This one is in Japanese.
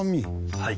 はい。